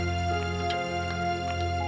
terima kasih ani